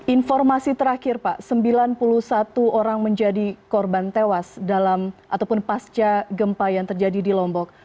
informasi terakhir pak sembilan puluh satu orang menjadi korban tewas dalam ataupun pasca gempa yang terjadi di lombok